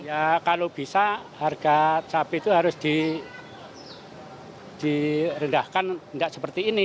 ya kalau bisa harga cabai itu harus direndahkan tidak seperti ini